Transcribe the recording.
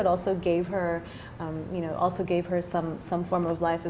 tapi juga memberikan